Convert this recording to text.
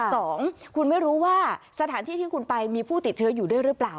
สองคุณไม่รู้ว่าสถานที่ที่คุณไปมีผู้ติดเชื้ออยู่ด้วยหรือเปล่า